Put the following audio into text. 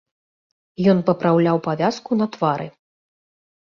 Ён папраўляў павязку на твары.